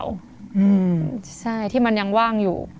ใช่ที่มันยังว่างอยู่